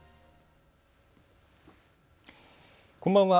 こんばんは。